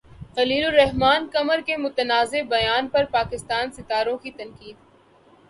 خلیل الرحمن قمر کے متنازع بیان پر پاکستانی ستاروں کی تنقید